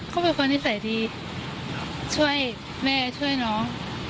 เขาเป็นคนนิสัยดีช่วยแม่ช่วยน้อง